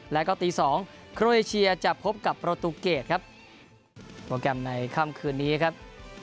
แล้วก็ตีสองโครเอเชียจะพบกับประตูเกรดครับโปรแกรมในค่ำคืนนี้ครับ